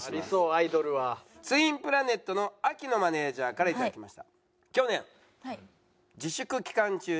ツインプラネットの秋野マネジャーから頂きました。